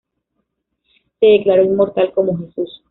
Se declaró inmortal como Jesús.